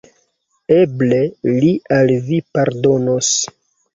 Eble li al vi pardonos.